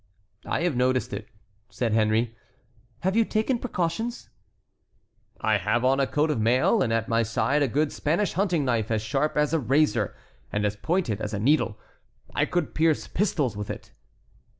"I have noticed it," said Henry. "Have you taken precautions?" "I have on a coat of mail, and at my side a good Spanish hunting knife, as sharp as a razor, and as pointed as a needle. I could pierce pistols with it."